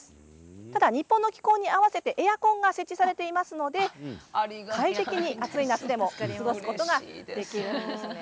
ただ日本の気候に合わせてエアコンが設置されていますので快適に暑い夏でも過ごすことができます。